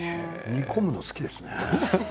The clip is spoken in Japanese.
煮込むの好きですね。